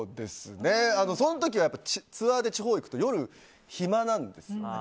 その時はツアーで地方に行くと夜、暇なんですよね。